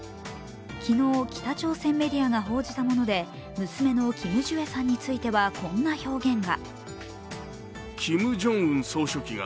昨日、北朝鮮メディアが報じたもので、娘のキム・ジュエさんについてはこんな表現が。